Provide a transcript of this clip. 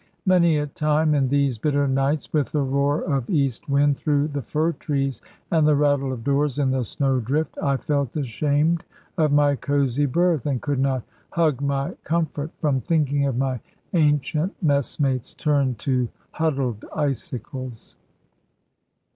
Many a time in these bitter nights, with the roar of east wind through the fir trees, and the rattle of doors in the snow drift, I felt ashamed of my cozy berth, and could not hug my comfort, from thinking of my ancient messmates turned to huddled icicles.